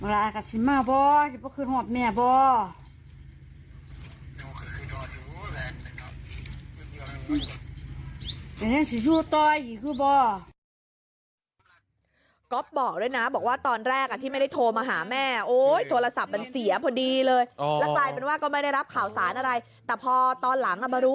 อยากให้ลูกกลับบ้านมาทำงานที่บ้านเราเถอะ